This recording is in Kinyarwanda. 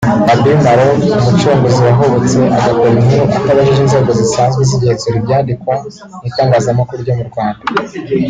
Rabbi Malo Umucunguzi wahubutse agakora inkuru atabajije inzego zisanzwe zigenzura ibyandikwa mu itangazakuru ryo mu Rwanda